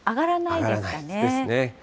上がらないですね。